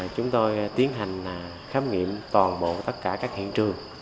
chúng tôi tiến hành khám nghiệm toàn bộ tất cả các hiện trường